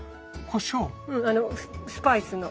うんあのスパイスの。